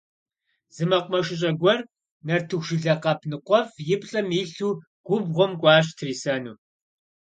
Зы мэкъумэшыщӀэ гуэр нартыху жылэ къэп ныкъуэфӀ и плӀэм илъу губгъуэм кӀуащ трисэну.